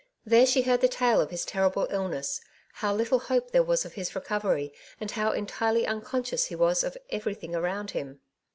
There she heard the tale of his terrible illness ; how little hope there was of his recovery, and how entirely unconscious he was of everything around him.